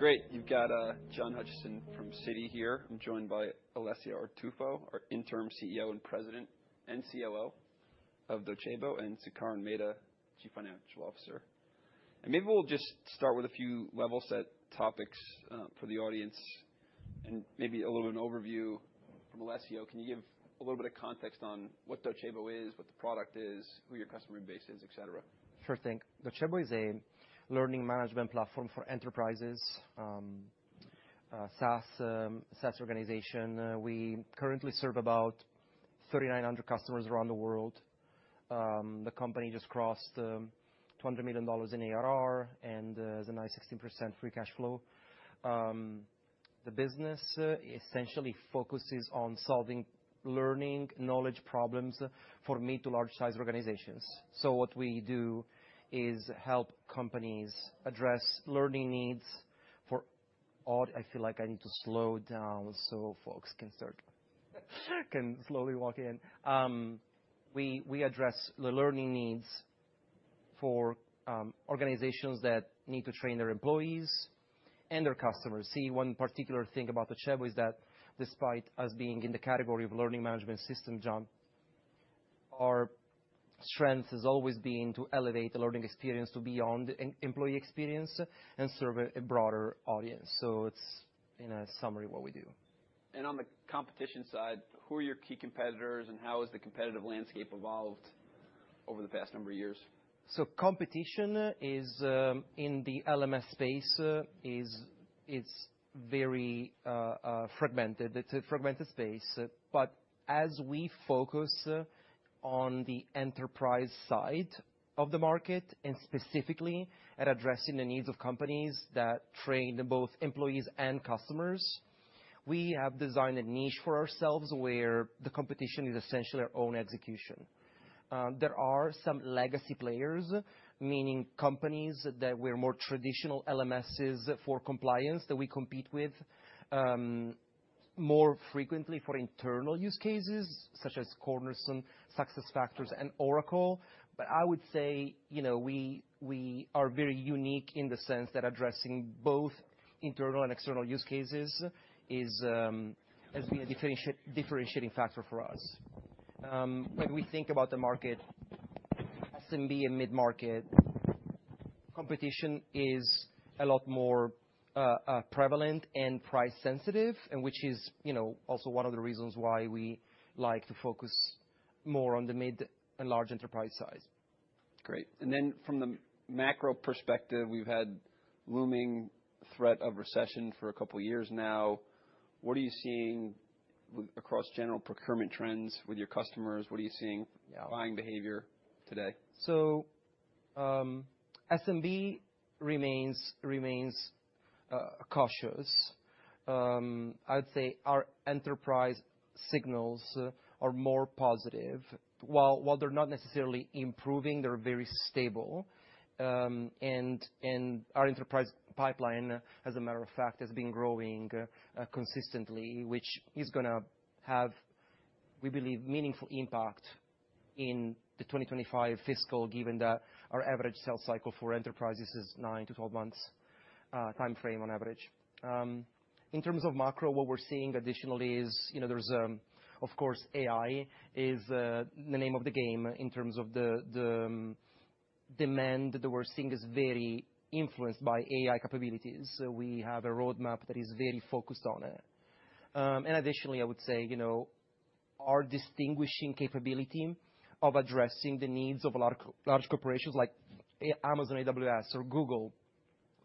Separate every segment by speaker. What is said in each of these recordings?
Speaker 1: Great. You've got John Hutchison from Citi here. I'm joined by Alessio Artuffo, our Interim CEO, President, and COO of Docebo, and Sukaran Mehta, Chief Financial Officer. Maybe we'll just start with a few level-set topics for the audience, and maybe a little bit of an overview. From Alessio, can you give a little bit of context on what Docebo is, what the product is, who your customer base is, etc.?
Speaker 2: Sure thing. Docebo is a learning management platform for enterprises, SaaS, SaaS organization. We currently serve about 3,900 customers around the world. The company just crossed $200 million in ARR and has a nice 16% free cash flow. The business essentially focuses on solving learning knowledge problems for mid to large-sized organizations. So what we do is help companies address learning needs for all. I feel like I need to slow down so folks can start, can slowly walk in. We, we address the learning needs for organizations that need to train their employees and their customers. See, one particular thing about Docebo is that despite us being in the category of learning management system, John, our strength has always been to elevate the learning experience to beyond employee experience and serve a, a broader audience. So it's, in a summary, what we do.
Speaker 1: And on the competition side, who are your key competitors, and how has the competitive landscape evolved over the past number of years?
Speaker 2: So competition is in the LMS space very fragmented. It's a fragmented space. But as we focus on the enterprise side of the market, and specifically at addressing the needs of companies that train both employees and customers, we have designed a niche for ourselves where the competition is essentially our own execution. There are some legacy players, meaning companies that were more traditional LMSs for compliance that we compete with, more frequently for internal use cases such as Cornerstone, SuccessFactors, and Oracle. But I would say, you know, we are very unique in the sense that addressing both internal and external use cases has been a differentiating factor for us. When we think about the market, SMB and mid-market, competition is a lot more prevalent and price-sensitive, and which is, you know, also one of the reasons why we like to focus more on the mid and large enterprise side.
Speaker 1: Great. And then from the macro perspective, we've had a looming threat of recession for a couple of years now. What are you seeing across general procurement trends with your customers? What are you seeing buying behavior today?
Speaker 2: So, SMB remains cautious. I would say our enterprise signals are more positive. While they're not necessarily improving, they're very stable, and our enterprise pipeline, as a matter of fact, has been growing consistently, which is gonna have, we believe, meaningful impact in the 2025 fiscal, given that our average sales cycle for enterprises is nine to 12 months timeframe on average. In terms of macro, what we're seeing additionally is, you know, there's of course AI is the name of the game in terms of the demand that we're seeing is very influenced by AI capabilities. So we have a roadmap that is very focused on it. And additionally, I would say, you know, our distinguishing capability of addressing the needs of large, large corporations like Amazon, AWS, or Google.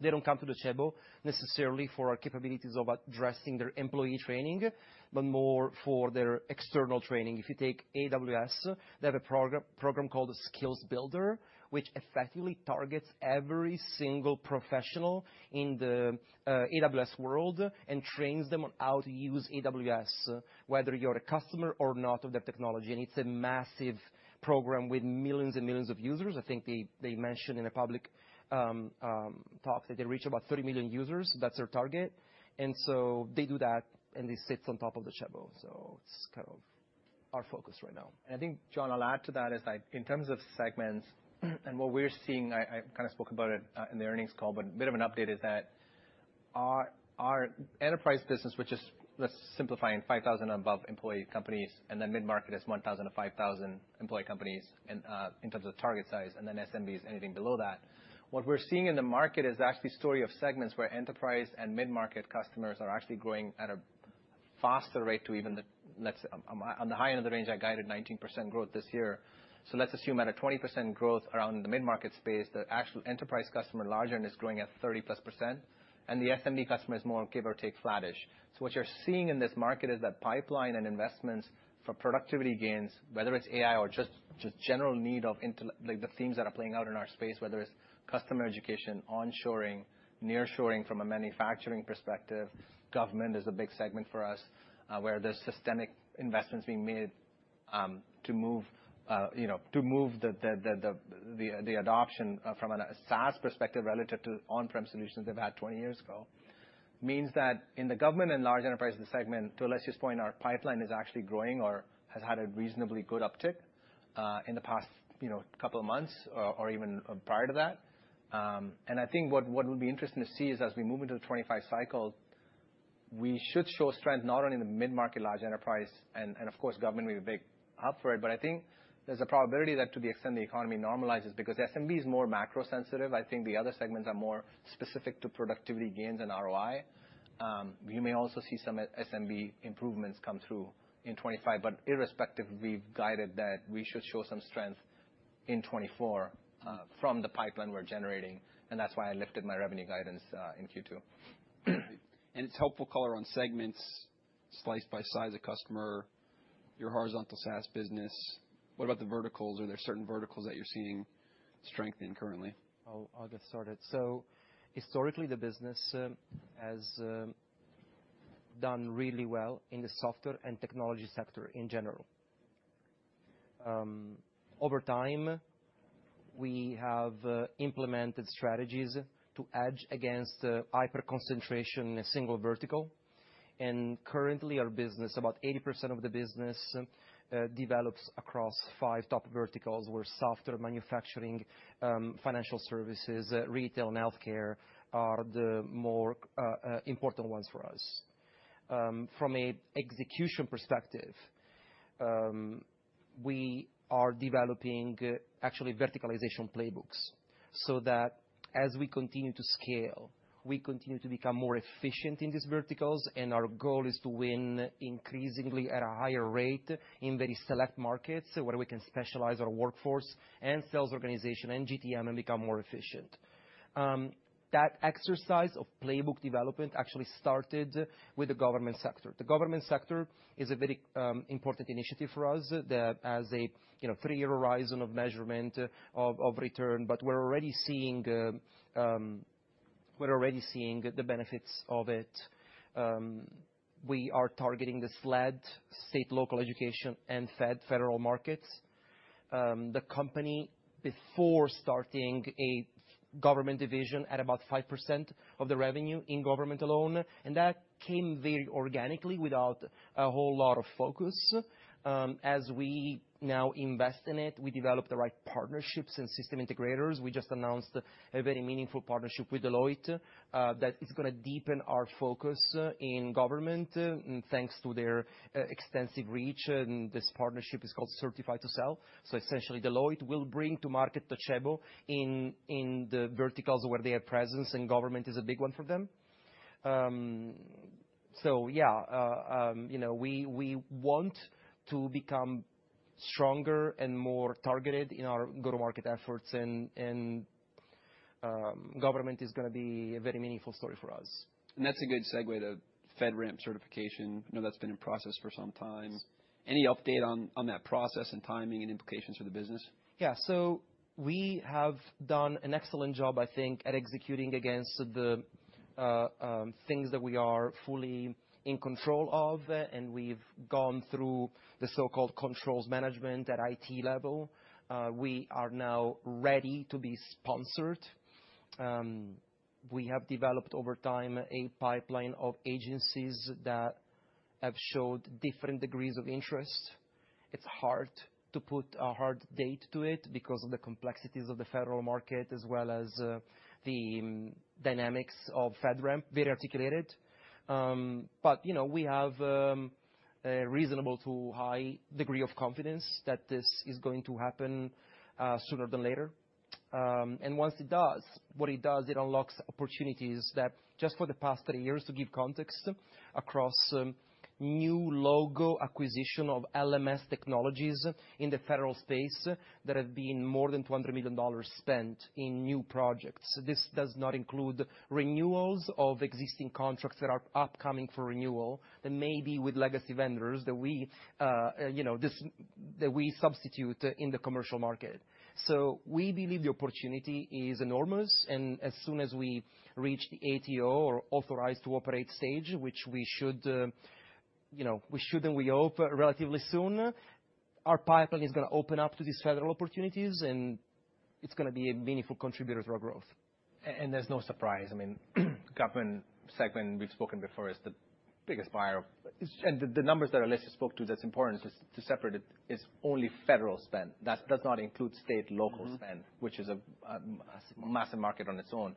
Speaker 2: They don't come to Docebo necessarily for our capabilities of addressing their employee training, but more for their external training. If you take AWS, they have a program called Skills Builder, which effectively targets every single professional in the AWS world and trains them on how to use AWS, whether you're a customer or not of that technology. And it's a massive program with millions and millions of users. I think they mentioned in a public talk that they reach about 30 million users. That's our target. And so they do that, and it sits on top of Docebo. So it's kind of our focus right now.
Speaker 1: I think John alluded to that is that in terms of segments and what we're seeing. I kinda spoke about it in the earnings call, but a bit of an update is that our enterprise business, which is, let's simplify in 5,000 and above employee companies, and then mid-market is 1,000-5,000 employee companies in terms of target size, and then SMBs, anything below that. What we're seeing in the market is actually a story of segments where enterprise and mid-market customers are actually growing at a faster rate to even the, let's say, on the high end of the range, I guided 19% growth this year. So let's assume at a 20% growth around the mid-market space, the actual enterprise customer larger and is growing at 30-plus%, and the SMB customer is more give or take flattish. So what you're seeing in this market is that pipeline and investments for productivity gains, whether it's AI or just general need of intel, like the themes that are playing out in our space, whether it's customer education, onshoring, nearshoring from a manufacturing perspective. Government is a big segment for us, where there's systemic investments being made, to move, you know, to move the adoption, from a SaaS perspective relative to on-prem solutions they've had 20 years ago. Means that in the government and large enterprise, the segment, to Alessio's point, our pipeline is actually growing or has had a reasonably good uptick, in the past, you know, couple of months or even prior to that. And I think what will be interesting to see is as we move into the 2025 cycle, we should show strength not only in the mid-market, large enterprise, and of course, government will be big up for it. But I think there's a probability that to the extent the economy normalizes, because SMB is more macro-sensitive, I think the other segments are more specific to productivity gains and ROI. You may also see some SMB improvements come through in 2025, but irrespective, we've guided that we should show some strength in 2024, from the pipeline we're generating. And that's why I lifted my revenue guidance in Q2.
Speaker 3: And it's helpful color on segments sliced by size of customer, your horizontal SaaS business. What about the verticals? Are there certain verticals that you're seeing strengthen currently?
Speaker 2: I'll get started. Historically, the business has done really well in the software and technology sector in general. Over time, we have implemented strategies to edge against hyper-concentration in a single vertical. Currently, our business, about 80% of the business, develops across five top verticals where software, manufacturing, financial services, retail, and healthcare are the more important ones for us. From an execution perspective, we are developing actually verticalization playbooks so that as we continue to scale, we continue to become more efficient in these verticals. Our goal is to win increasingly at a higher rate in very select markets where we can specialize our workforce and sales organization and GTM and become more efficient. That exercise of playbook development actually started with the government sector. The government sector is a very important initiative for us that has a, you know, three-year horizon of measurement of return. But we're already seeing, we're already seeing the benefits of it. We are targeting the SLED, state-local education and federal markets. The company before starting a government division at about 5% of the revenue in government alone. And that came very organically without a whole lot of focus. As we now invest in it, we develop the right partnerships and system integrators. We just announced a very meaningful partnership with Deloitte, that is gonna deepen our focus in government thanks to their, extensive reach. And this partnership is called Certify to Sell. So essentially, Deloitte will bring to market Docebo in the verticals where they have presence, and government is a big one for them. So yeah, you know, we want to become stronger and more targeted in our go-to-market efforts. And government is gonna be a very meaningful story for us.
Speaker 3: That's a good segue to FedRAMP certification. I know that's been in process for some time. Any update on that process and timing and implications for the business?
Speaker 2: Yeah. So we have done an excellent job, I think, at executing against the things that we are fully in control of. And we've gone through the so-called controls management at IT level. We are now ready to be sponsored. We have developed over time a pipeline of agencies that have showed different degrees of interest. It's hard to put a hard date to it because of the complexities of the federal market as well as the dynamics of FedRAMP, very articulated. But you know, we have a reasonable to high degree of confidence that this is going to happen sooner than later. And once it does, what it does, it unlocks opportunities that just for the past three years, to give context across new logo acquisition of LMS technologies in the federal space that have been more than $200 million spent in new projects. This does not include renewals of existing contracts that are upcoming for renewal that may be with legacy vendors that we, you know, substitute in the commercial market. So we believe the opportunity is enormous. And as soon as we reach the ATO or authorized to operate stage, which we should, you know, and we hope relatively soon, our pipeline is gonna open up to these federal opportunities, and it's gonna be a meaningful contributor to our growth.
Speaker 1: And there's no surprise. I mean, government segment, we've spoken before, is the biggest buyer of, and the numbers that Alessio spoke to that's important to separate it is only federal spend. That does not include state-local spend, which is a massive market on its own.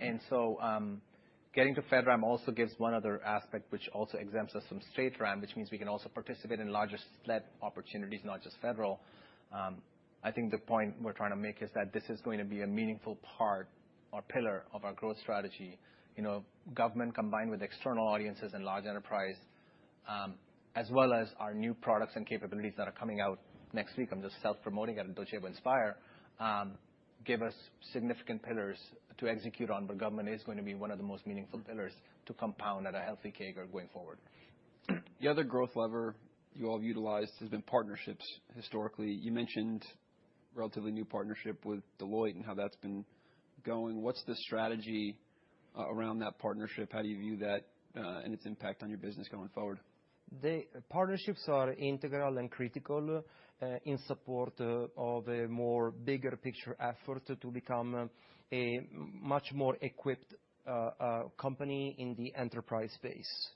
Speaker 1: And so, getting to FedRAMP also gives one other aspect which also exempts us from StateRAMP, which means we can also participate in larger SLED opportunities, not just federal. I think the point we're trying to make is that this is going to be a meaningful part or pillar of our growth strategy. You know, government combined with external audiences and large enterprise, as well as our new products and capabilities that are coming out next week. I'm just self-promoting at Docebo Inspire. Give us significant pillars to execute on, where government is going to be one of the most meaningful pillars to compound at a healthy CAGR going forward.
Speaker 3: The other growth lever you all utilized has been partnerships historically. You mentioned relatively new partnership with Deloitte and how that's been going. What's the strategy, around that partnership? How do you view that, and its impact on your business going forward?
Speaker 2: The partnerships are integral and critical, in support of a more bigger picture effort to become a much more equipped company in the enterprise space.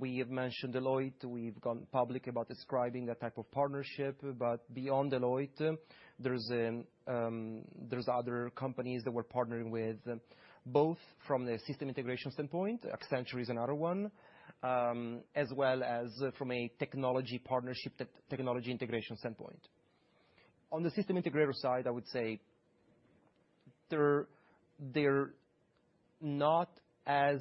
Speaker 2: We have mentioned Deloitte. We've gone public about describing that type of partnership. But beyond Deloitte, there's other companies that we're partnering with, both from the system integration standpoint, Accenture is another one, as well as from a technology partnership, technology integration standpoint. On the system integrator side, I would say they're not as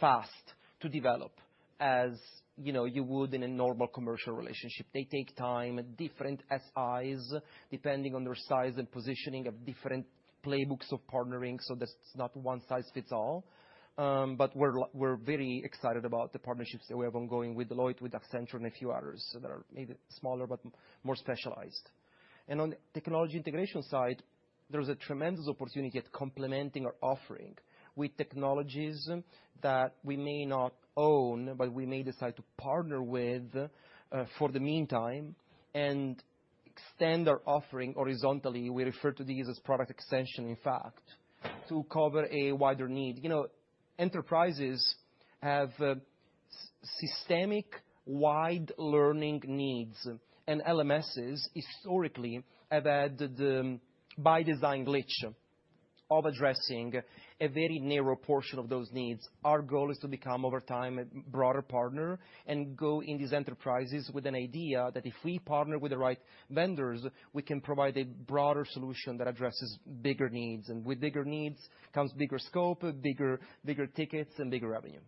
Speaker 2: fast to develop as, you know, you would in a normal commercial relationship. They take time, different SIs depending on their size and positioning of different playbooks of partnering. So there's not one size fits all. But we're very excited about the partnerships that we have ongoing with Deloitte, with Accenture, and a few others that are maybe smaller but more specialized. And on the technology integration side, there's a tremendous opportunity at complementing our offering with technologies that we may not own, but we may decide to partner with, for the meantime and extend our offering horizontally. We refer to these as product extension, in fact, to cover a wider need. You know, enterprises have systemic-wide learning needs, and LMSs historically have had the by design glitch of addressing a very narrow portion of those needs. Our goal is to become over time a broader partner and go in these enterprises with an idea that if we partner with the right vendors, we can provide a broader solution that addresses bigger needs. And with bigger needs comes bigger scope, bigger, bigger tickets, and bigger revenue.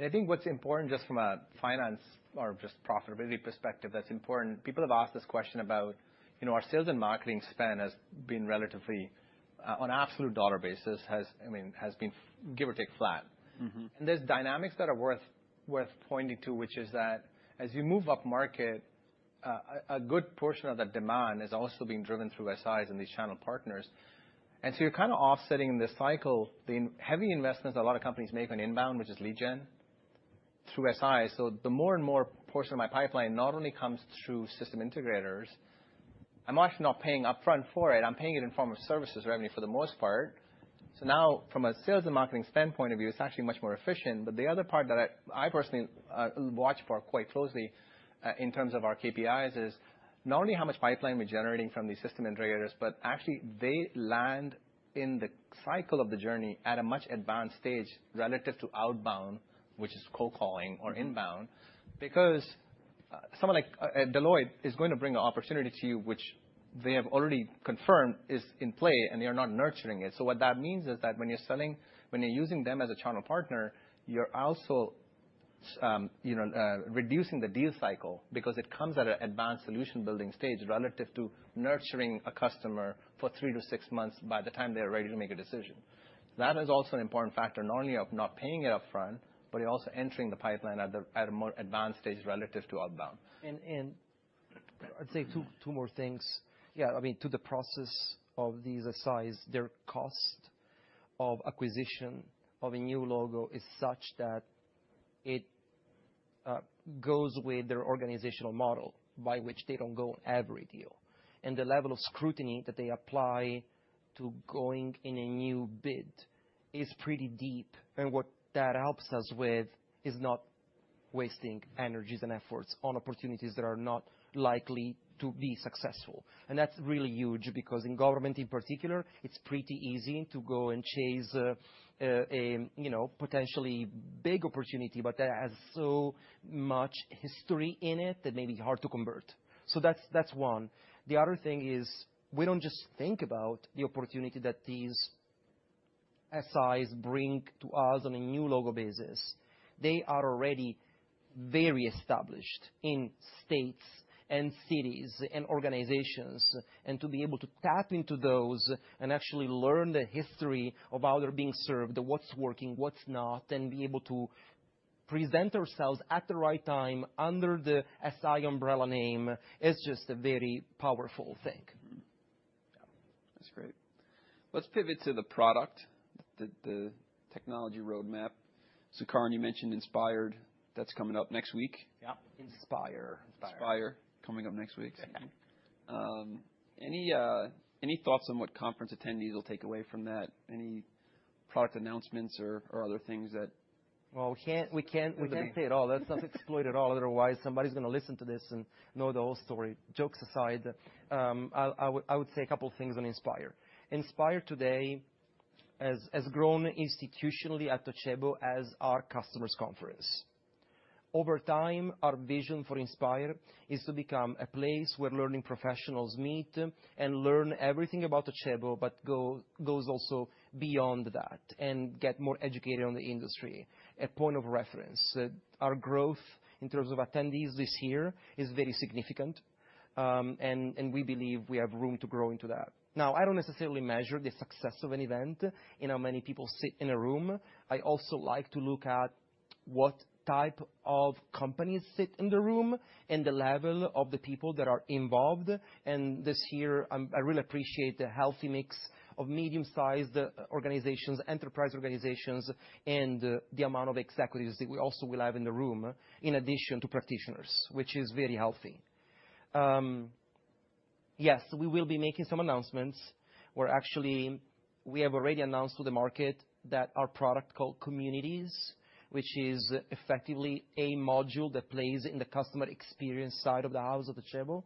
Speaker 1: I think what's important just from a finance or just profitability perspective, that's important. People have asked this question about, you know, our sales and marketing spend has been relatively, on absolute dollar basis has, I mean, has been give or take flat.
Speaker 3: Mm-hmm.
Speaker 1: There's dynamics that are worth pointing to, which is that as you move up market, a good portion of that demand is also being driven through SIs and these channel partners. And so you're kinda offsetting in this cycle the heavy investments that a lot of companies make on inbound, which is lead gen through SI. So the more and more portion of my pipeline not only comes through system integrators, I'm actually not paying upfront for it. I'm paying it in form of services revenue for the most part. So now from a sales and marketing standpoint of view, it's actually much more efficient. But the other part that I, I personally, watch for quite closely, in terms of our KPIs is not only how much pipeline we're generating from these system integrators, but actually they land in the cycle of the journey at a much advanced stage relative to outbound, which is cold calling or inbound. Because someone like Deloitte is going to bring an opportunity to you, which they have already confirmed is in play, and they are not nurturing it. So what that means is that when you're selling, when you're using them as a channel partner, you're also, you know, reducing the deal cycle because it comes at an advanced solution building stage relative to nurturing a customer for three to six months by the time they're ready to make a decision. That is also an important factor, not only of not paying it upfront, but also entering the pipeline at a more advanced stage relative to outbound.
Speaker 2: I'd say two more things. Yeah. I mean, to the process of these SIs, their cost of acquisition of a new logo is such that it goes with their organizational model by which they don't go on every deal. And the level of scrutiny that they apply to going in a new bid is pretty deep. And what that helps us with is not wasting energies and efforts on opportunities that are not likely to be successful. And that's really huge because in government in particular, it's pretty easy to go and chase a you know potentially big opportunity, but that has so much history in it that may be hard to convert. So that's one. The other thing is we don't just think about the opportunity that these SIs bring to us on a new logo basis. They are already very established in states and cities and organizations, and to be able to tap into those and actually learn the history of how they're being served, what's working, what's not, and be able to present ourselves at the right time under the SI umbrella name is just a very powerful thing.
Speaker 3: That's great. Let's pivot to the product, the technology roadmap. Sukaran, you mentioned Inspired. That's coming up next week.
Speaker 1: Yep. Inspire.
Speaker 3: Inspire coming up next week.
Speaker 1: Exactly.
Speaker 3: Any thoughts on what conference attendees will take away from that? Any product announcements or other things that?
Speaker 2: We can't say it all. That sounds exploitative at all. Otherwise, somebody's gonna listen to this and know the whole story. Jokes aside, I would say a couple of things on Inspire. Inspire today has grown institutionally at Docebo as our customers conference. Over time, our vision for Inspire is to become a place where learning professionals meet and learn everything about Docebo, but goes also beyond that and get more educated on the industry, a point of reference. Our growth in terms of attendees this year is very significant. And we believe we have room to grow into that. Now, I don't necessarily measure the success of an event in how many people sit in a room. I also like to look at what type of companies sit in the room and the level of the people that are involved. And this year, I'm, I really appreciate the healthy mix of medium-sized organizations, enterprise organizations, and the amount of executives that we also will have in the room in addition to practitioners, which is very healthy. Yes, we will be making some announcements. We're actually, we have already announced to the market that our product called Communities, which is effectively a module that plays in the customer experience side of the house of Docebo,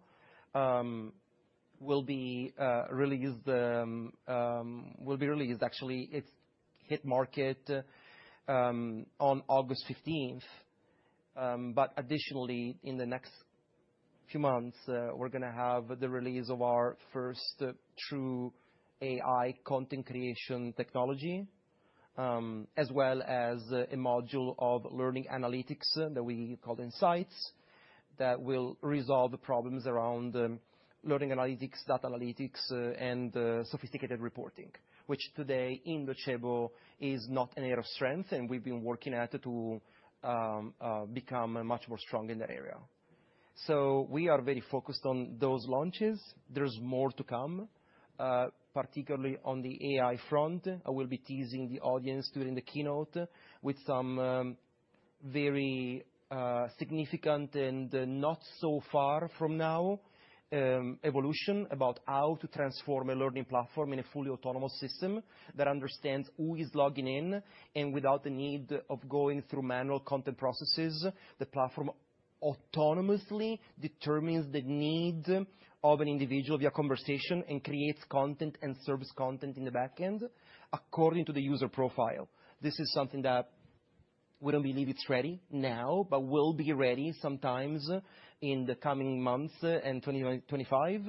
Speaker 2: will be released. Actually, it's hit market on August 15th. But additionally, in the next few months, we're gonna have the release of our first true AI content creation technology, as well as a module of learning analytics that we call Insights that will resolve the problems around learning analytics, data analytics, and sophisticated reporting, which today in Docebo is not an area of strength, and we've been working at it to become much more strong in that area, so we are very focused on those launches. There's more to come, particularly on the AI front. I will be teasing the audience during the keynote with some very significant and not so far from now evolution about how to transform a learning platform in a fully autonomous system that understands who is logging in. And without the need of going through manual content processes, the platform autonomously determines the need of an individual via conversation and creates content and serves content in the backend according to the user profile. This is something that we don't believe it's ready now, but will be ready sometimes in the coming months and 2025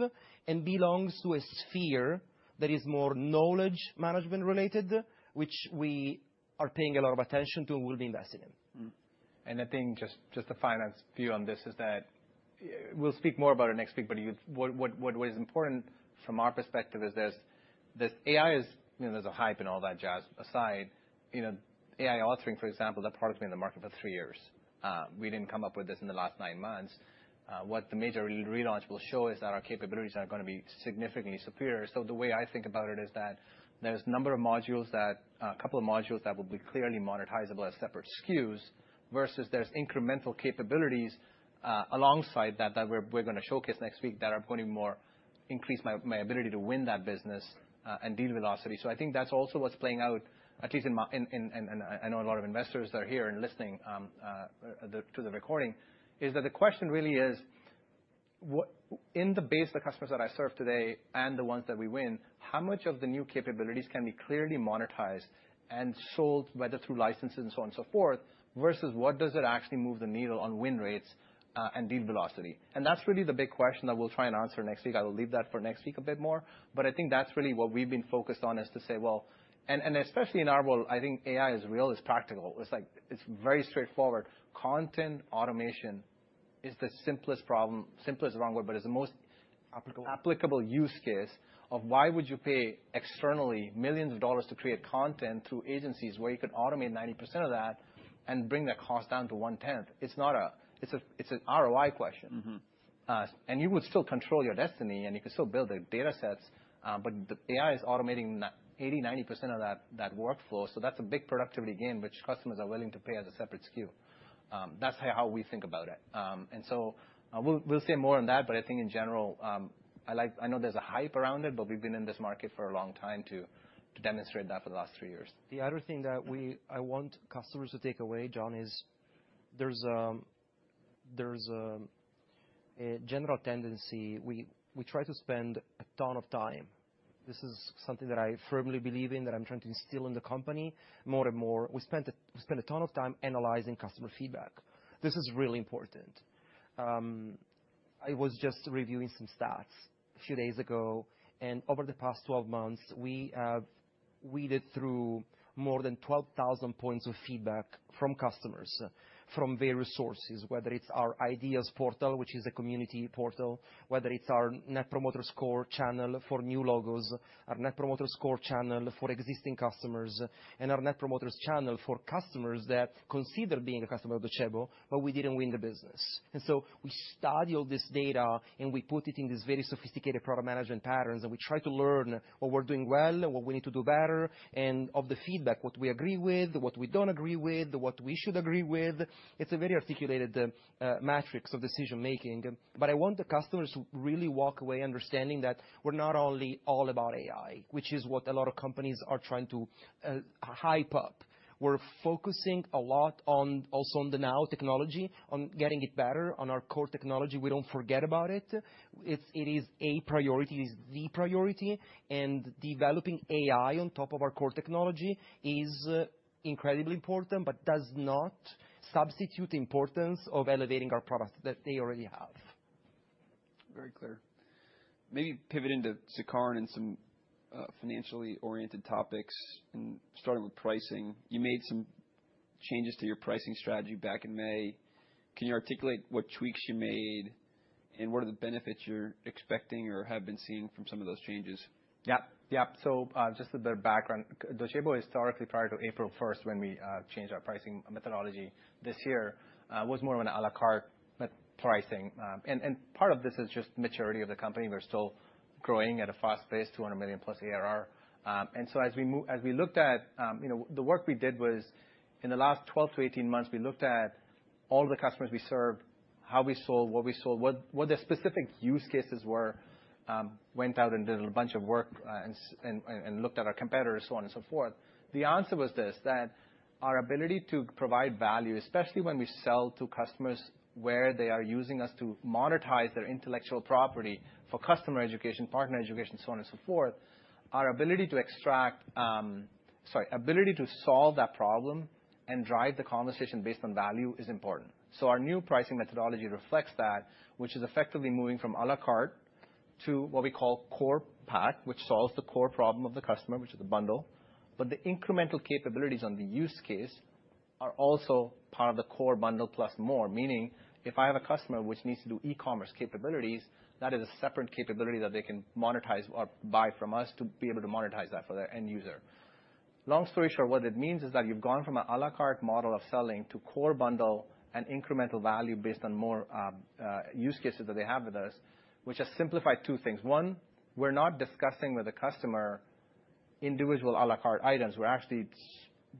Speaker 2: and belongs to a sphere that is more knowledge management related, which we are paying a lot of attention to and will be investing in.
Speaker 1: Mm-hmm, and I think just a finance view on this is that we'll speak more about it next week, but what is important from our perspective is there's AI, you know, there's a hype and all that jazz aside. You know, AI authoring, for example, that product has been in the market for three years. We didn't come up with this in the last nine months. What the major relaunch will show is that our capabilities are gonna be significantly superior. So the way I think about it is that there's a number of modules that, a couple of modules that will be clearly monetizable as separate SKUs versus there's incremental capabilities, alongside that, that we're gonna showcase next week that are gonna be more increase my ability to win that business, and deal velocity. So I think that's also what's playing out, at least in my, and I know a lot of investors that are here and listening to the recording, is that the question really is what in the base of the customers that I serve today and the ones that we win, how much of the new capabilities can be clearly monetized and sold, whether through licenses and so on and so forth versus what does it actually move the needle on win rates and deal velocity? And that's really the big question that we'll try and answer next week. I will leave that for next week a bit more. But I think that's really what we've been focused on is to say, well, especially in our world, I think AI is real, is practical. It's like, it's very straightforward. Content automation is the simplest problem, simplest wrong word, but it's the most applicable use case of why would you pay externally millions of dollars to create content through agencies where you could automate 90% of that and bring that cost down to one-tenth? It's an ROI question.
Speaker 3: Mm-hmm.
Speaker 1: And you would still control your destiny and you could still build the data sets. But the AI is automating 80%-90% of that workflow. So that's a big productivity gain, which customers are willing to pay as a separate SKU. That's how we think about it. And so, we'll say more on that. But I think in general, I like, I know there's a hype around it, but we've been in this market for a long time to demonstrate that for the last three years.
Speaker 2: The other thing that I want customers to take away, John, is there's a general tendency. We try to spend a ton of time. This is something that I firmly believe in, that I'm trying to instill in the company more and more. We spent a ton of time analyzing customer feedback. This is really important. I was just reviewing some stats a few days ago, and over the past 12 months, we did through more than 12,000 points of feedback from customers from various sources, whether it's our Ideas portal, which is a community portal, whether it's our Net Promoter Score channel for new logos, our Net Promoter Score channel for existing customers, and our Net Promoter Score channel for customers that consider being a customer of Docebo, but we didn't win the business. And so we study all this data and we put it in these very sophisticated product management patterns, and we try to learn what we're doing well and what we need to do better. And of the feedback, what we agree with, what we don't agree with, what we should agree with, it's a very articulated, matrix of decision-making. But I want the customers to really walk away understanding that we're not only all about AI, which is what a lot of companies are trying to, hype up. We're focusing a lot on also on the now technology, on getting it better on our core technology. We don't forget about it. It's, it is a priority, is the priority. And developing AI on top of our core technology is incredibly important but does not substitute the importance of elevating our product that they already have.
Speaker 3: Very clear. Maybe pivot into Sukaran and some financially oriented topics and starting with pricing. You made some changes to your pricing strategy back in May. Can you articulate what tweaks you made and what are the benefits you're expecting or have been seeing from some of those changes?
Speaker 1: Yep. So, just a bit of background. Docebo, historically, prior to April 1st when we changed our pricing methodology this year, was more of an à la carte pricing. And part of this is just maturity of the company. We're still growing at a fast pace, $200 million plus ARR. And so as we looked at, you know, the work we did was in the last 12-18 months, we looked at all of the customers we served, how we sold, what we sold, what their specific use cases were, went out and did a bunch of work, and looked at our competitors, so on and so forth. The answer was this: that our ability to provide value, especially when we sell to customers where they are using us to monetize their intellectual property for customer education, partner education, so on and so forth, our ability to extract, sorry, ability to solve that problem and drive the conversation based on value is important. So our new pricing methodology reflects that, which is effectively moving from à la carte to what we call core pack, which solves the core problem of the customer, which is the bundle. But the incremental capabilities on the use case are also part of the core bundle plus more, meaning if I have a customer which needs to do e-commerce capabilities, that is a separate capability that they can monetize or buy from us to be able to monetize that for their end user. Long story short, what it means is that you've gone from an à la carte model of selling to core bundle and incremental value based on more use cases that they have with us, which has simplified two things. One, we're not discussing with the customer individual à la carte items. We're actually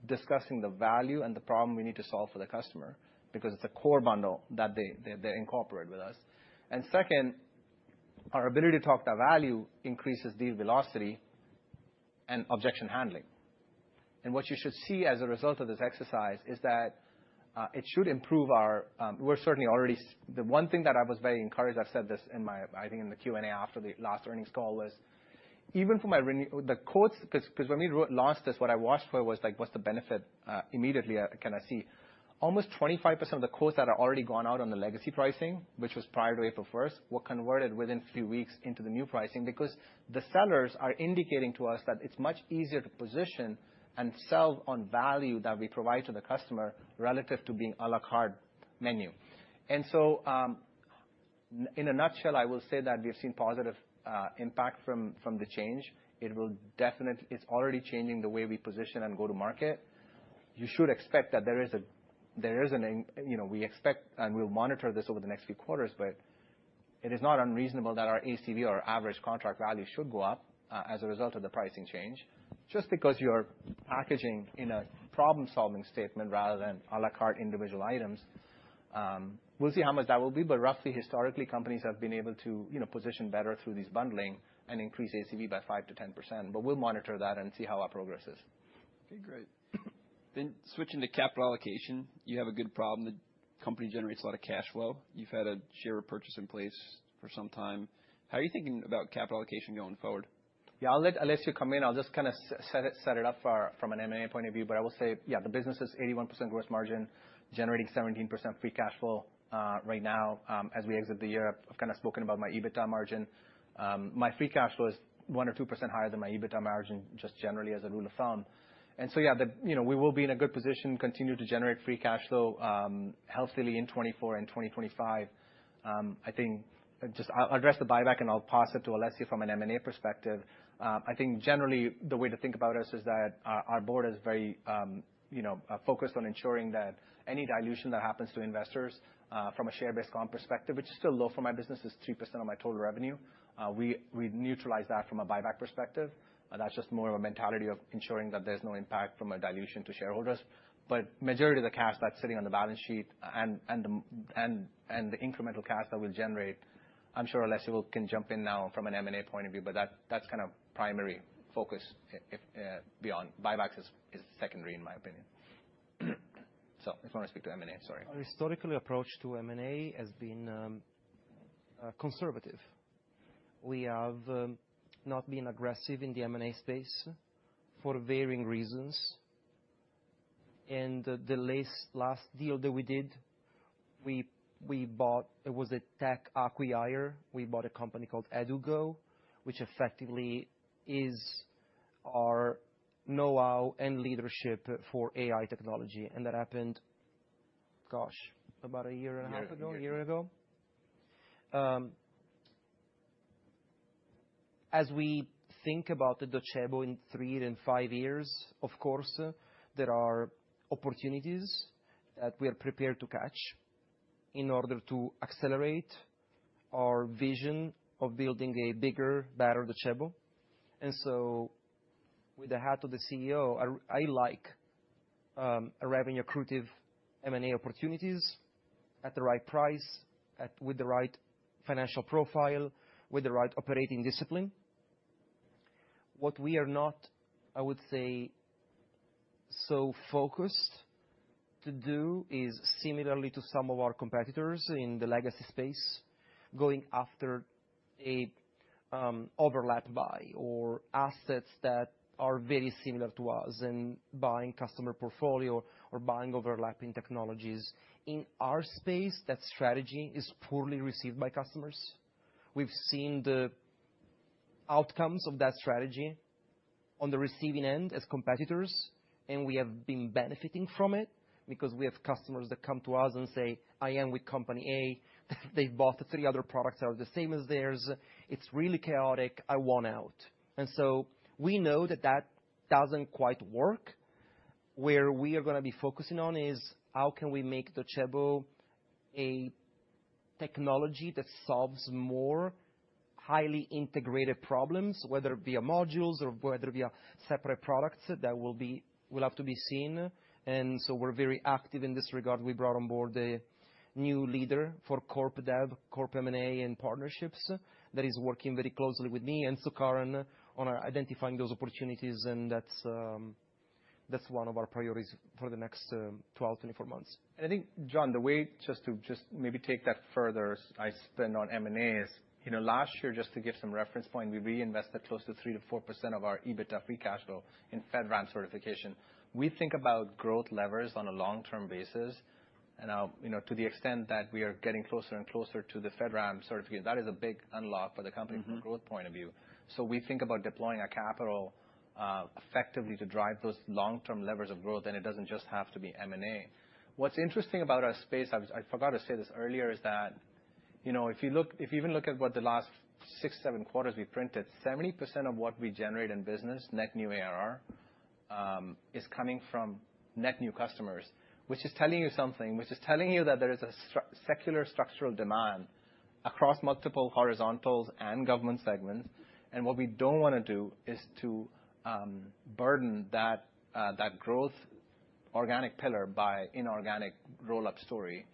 Speaker 1: discussing the value and the problem we need to solve for the customer because it's a core bundle that they incorporate with us. And second, our ability to talk that value increases deal velocity and objection handling. And what you should see as a result of this exercise is that it should improve our. We're certainly already the one thing that I was very encouraged. I've said this, I think in the Q&A after the last earnings call was, even for my renewals, the quotes, 'cause when we launched this, what I watched for was like, what's the benefit. Immediately I can see almost 25% of the quotes that are already gone out on the legacy pricing, which was prior to April 1st, were converted within a few weeks into the new pricing because the sellers are indicating to us that it's much easier to position and sell on value that we provide to the customer relative to being à la carte menu. And so, in a nutshell, I will say that we have seen positive impact from the change. It will definitely, it's already changing the way we position and go to market. You should expect that there is an, you know, we expect and we'll monitor this over the next few quarters, but it is not unreasonable that our ACV, our average contract value should go up, as a result of the pricing change. Just because you're packaging in a problem-solving statement rather than à la carte individual items, we'll see how much that will be. But roughly, historically, companies have been able to, you know, position better through these bundling and increase ACV by 5%-10%. But we'll monitor that and see how our progress is.
Speaker 3: Okay. Great. Then switching to capital allocation, you have a good problem. The company generates a lot of cash flow. You've had a share repurchase in place for some time. How are you thinking about capital allocation going forward?
Speaker 1: Yeah. I'll let you come in. I'll just kinda set it up for, from an M&A point of view. But I will say, yeah, the business is 81% gross margin, generating 17% free cash flow, right now, as we exit the year. I've kinda spoken about my EBITDA margin. My free cash flow is 1 or 2% higher than my EBITDA margin just generally as a rule of thumb. And so, yeah, the, you know, we will be in a good position, continue to generate free cash flow, healthily in 2024 and 2025. I think just I'll address the buyback and I'll pass it to Alessio from an M&A perspective. I think generally the way to think about us is that our board is very, you know, focused on ensuring that any dilution that happens to investors, from a share-based comp perspective, which is still low for my business, is 3% of my total revenue. We neutralize that from a buyback perspective. That's just more of a mentality of ensuring that there's no impact from a dilution to shareholders. But majority of the cash that's sitting on the balance sheet and the incremental cash that we'll generate, I'm sure Alessio can jump in now from an M&A point of view. But that's kinda primary focus if beyond buybacks is secondary in my opinion. So if you wanna speak to M&A, sorry.
Speaker 2: Our historical approach to M&A has been conservative. We have not been aggressive in the M&A space for varying reasons. The last deal that we did, we bought. It was a tech acquisition. We bought a company called Edugo, which effectively is our know-how and leadership for AI technology. And that happened, gosh, about a year and a half ago, a year ago. As we think about the Docebo in three and five years, of course, there are opportunities that we are prepared to catch in order to accelerate our vision of building a bigger, better Docebo. So with the hat of the CEO, I like revenue-accrutive M&A opportunities at the right price, with the right financial profile, with the right operating discipline. What we are not, I would say, so focused to do is similarly to some of our competitors in the legacy space, going after an overlap buy or assets that are very similar to us and buying customer portfolio or buying overlapping technologies. In our space, that strategy is poorly received by customers. We've seen the outcomes of that strategy on the receiving end as competitors, and we have been benefiting from it because we have customers that come to us and say, "I am with company A. They've bought three other products that are the same as theirs. It's really chaotic. I want out." And so we know that that doesn't quite work. Where we are gonna be focusing on is how can we make Docebo a technology that solves more highly integrated problems, whether via modules or whether via separate products that will be, will have to be seen. And so we're very active in this regard. We brought on board the new leader for Corp Dev, Corp M&A and partnerships that is working very closely with me and Sukaran on identifying those opportunities. And that's one of our priorities for the next 12-24 months.
Speaker 1: I think, John, the way to maybe take that further, we spend on M&As, you know, last year, just to give some reference point, we reinvested close to 3%-4% of our EBITDA free cash flow in FedRAMP certification. We think about growth levers on a long-term basis. Now, you know, to the extent that we are getting closer and closer to the FedRAMP certificate, that is a big unlock for the company from a growth point of view. So we think about deploying our capital effectively to drive those long-term levers of growth. It doesn't just have to be M&A. What's interesting about our space, I forgot to say this earlier, is that, you know, if you look, if you even look at what the last six, seven quarters we printed, 70% of what we generate in business, net new ARR, is coming from net new customers, which is telling you something, which is telling you that there is a secular structural demand across multiple horizontals and government segments. What we don't wanna do is to burden that growth organic pillar by inorganic roll-up story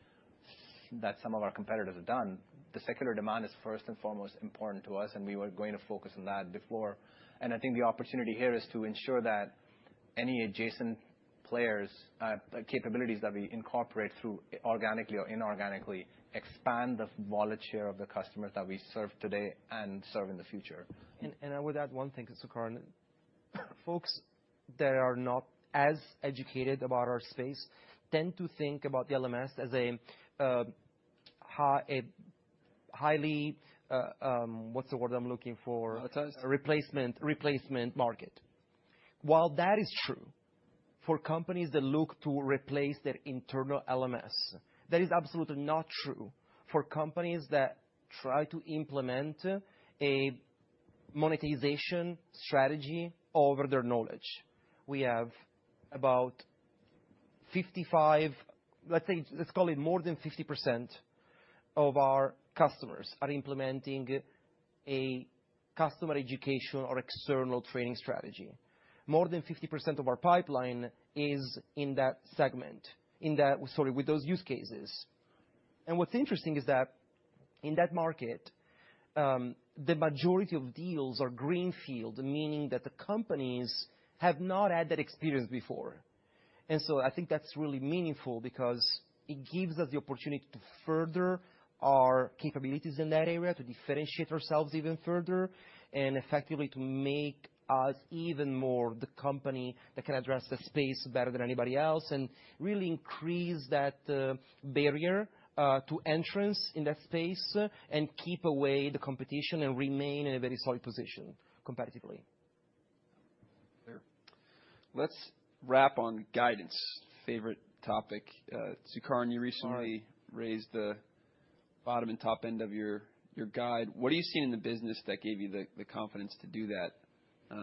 Speaker 1: that some of our competitors have done. The secular demand is first and foremost important to us, and we were going to focus on that before. I think the opportunity here is to ensure that any adjacent players, capabilities that we incorporate through organically or inorganically expand the wallet share of the customers that we serve today and serve in the future.
Speaker 2: I would add one thing, Sukaran. Folks that are not as educated about our space tend to think about the LMS as a highly, what's the word I'm looking for?
Speaker 3: Monetized.
Speaker 2: Replacement, replacement market. While that is true for companies that look to replace their internal LMS, that is absolutely not true for companies that try to implement a monetization strategy over their knowledge. We have about 55, let's say, let's call it more than 50% of our customers are implementing a customer education or external training strategy. More than 50% of our pipeline is in that segment, sorry, with those use cases. And what's interesting is that in that market, the majority of deals are greenfield, meaning that the companies have not had that experience before. And so I think that's really meaningful because it gives us the opportunity to further our capabilities in that area, to differentiate ourselves even further, and effectively to make us even more the company that can address the space better than anybody else and really increase that barrier to entry in that space and keep away the competition and remain in a very solid position competitively.
Speaker 3: There. Let's wrap on guidance, favorite topic. Sukaran, you recently raised the bottom and top end of your guidance. What have you seen in the business that gave you the confidence to do that,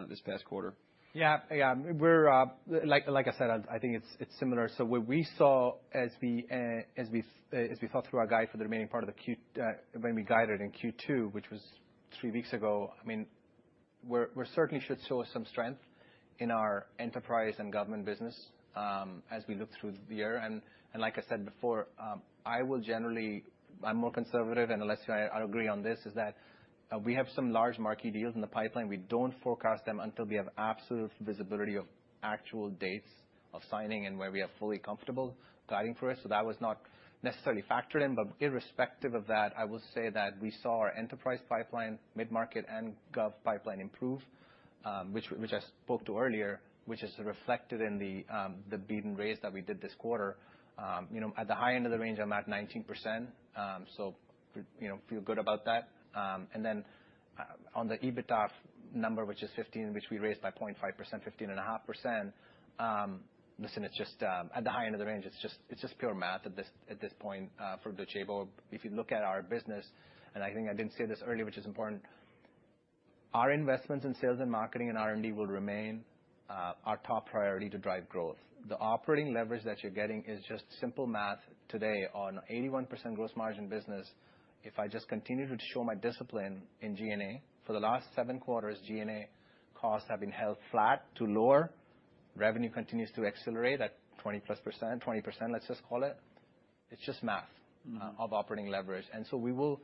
Speaker 3: this past quarter?
Speaker 1: Yeah. We're, like I said, I think it's similar. So what we saw as we thought through our guide for the remaining part of the Q, when we guided it in Q2, which was three weeks ago, I mean, we're certainly should show us some strength in our enterprise and government business, as we look through the year. Like I said before, I will generally, I'm more conservative, and Alessio, I agree on this, is that, we have some large marquee deals in the pipeline. We don't forecast them until we have absolute visibility of actual dates of signing and where we are fully comfortable guiding for us. So that was not necessarily factored in. But irrespective of that, I will say that we saw our enterprise pipeline, mid-market, and gov pipeline improve, which I spoke to earlier, which is reflected in the beat and raise that we did this quarter. You know, at the high end of the range, I'm at 19%. So you know, feel good about that. And then, on the EBITDA number, which is 15%, which we raised by 0.5%, 15.5%, listen, it's just, at the high end of the range, it's just pure math at this point for Docebo. If you look at our business, and I think I didn't say this earlier, which is important, our investments in sales and marketing and R&D will remain our top priority to drive growth. The operating leverage that you're getting is just simple math today on 81% gross margin business. If I just continue to show my discipline in G&A for the last seven quarters, G&A costs have been held flat to lower. Revenue continues to accelerate at 20-plus %, 20%, let's just call it. It's just math of operating leverage. And so we will,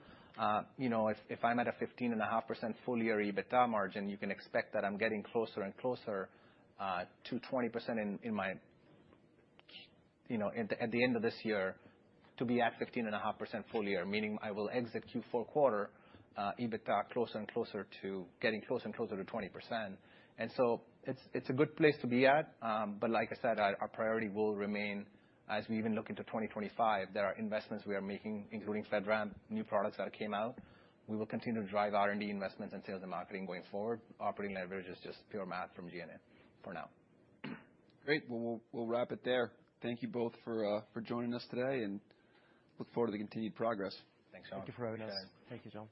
Speaker 1: you know, if I'm at a 15.5% full-year EBITDA margin, you can expect that I'm getting closer and closer to 20% in my, you know, at the end of this year to be at 15.5% full-year, meaning I will exit Q4 quarter EBITDA closer and closer to getting closer and closer to 20%. And so it's a good place to be at. But like I said, our priority will remain as we even look into 2025. There are investments we are making, including FedRAMP, new products that came out. We will continue to drive R&D investments and sales and marketing going forward. Operating leverage is just pure math from G&A for now.
Speaker 3: Great. Well, we'll wrap it there. Thank you both for joining us today and look forward to the continued progress.
Speaker 1: Thanks, John.
Speaker 2: Thank you for having us.
Speaker 3: Thank you.